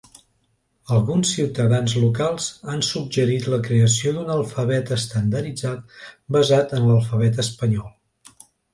Alguns ciutadans locals han suggerit la creació d'un alfabet estandarditzat basat en l'alfabet espanyol.